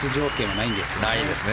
ないですね